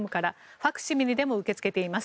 ファクシミリでも受け付けています。